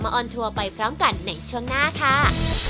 โปรดติดตามตอนต่อไป